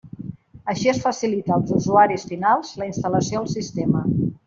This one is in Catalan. Així es facilita als usuaris finals la instal·lació al sistema.